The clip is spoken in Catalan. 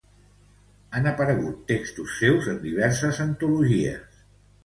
Han aparegut textos seus en diverses antologies.